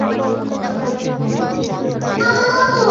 অসুস্থ হয়ে যাবেন আপনি!